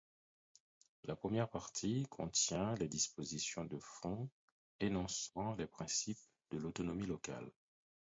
La première partie contient les dispositions de fond énonçant les principes de l'autonomie locale.